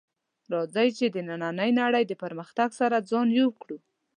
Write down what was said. راځئ چې د نننۍ نړۍ د پرمختګ سره ځان یو کړو